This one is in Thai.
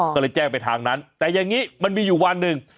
ก็เลยแจ้งไปทางนั้นแต่อย่างนี้มันมีอยู่วันหนึ่ง